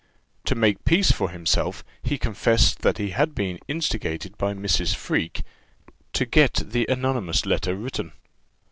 To make peace for himself, he confessed that he had been instigated by Mrs. Freke to get the anonymous letter written.